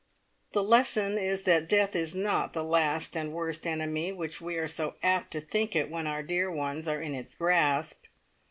The lesson is that death is not the last and worst enemy which we are so apt to think it when our dear ones are in its grasp.